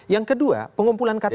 yang kedua pengumpulan ktp